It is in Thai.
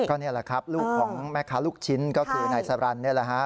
ก็นี่แหละครับลูกของแม่ค้าลูกชิ้นก็คือนายสารันนี่แหละฮะ